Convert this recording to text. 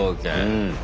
うん。